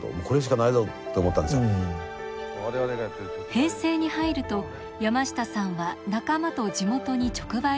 平成に入ると山下さんは仲間と地元に直売所を立ち上げます。